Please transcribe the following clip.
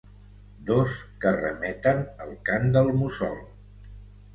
Dos que remeten al cant del mussol.